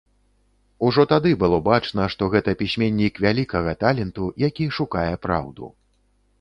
Ужо тады было бачна, што гэта пісьменнік вялікага таленту, які шукае праўду.